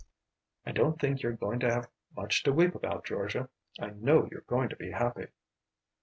"I don't think you're going to have much to weep about, Georgia. I know you're going to be happy."